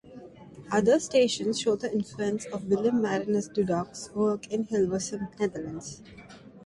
Other stations show the influence of Willem Marinus Dudok's work in Hilversum, Netherlands.